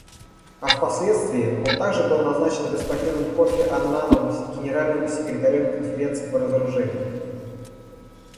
А впоследствии он также был назначен господином Кофи Аннаном Генеральным секретарем Конференции по разоружению.